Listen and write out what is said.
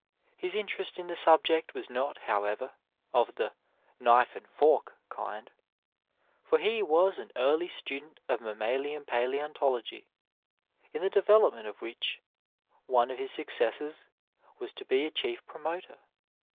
His interest in the subject was not, however, of the " knife and fork " kind, for he was an early student of mammaUan palaeontology, in the development of which one of his successors was to be a chief promotor.